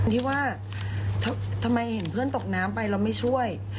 ที่ว่าทำไมเห็นเพื่อนตกน้ำไปเราไม่ช่วย